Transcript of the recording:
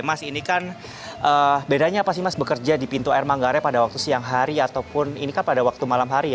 mas ini kan bedanya apa sih mas bekerja di pintu air manggarai pada waktu siang hari ataupun ini kan pada waktu malam hari ya